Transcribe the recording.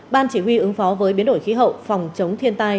ban chỉ huy ứng phó với biến đổi khí hậu phòng chống thiên tai